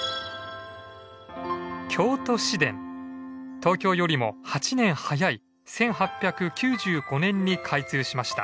東京よりも８年早い１８９５年に開通しました。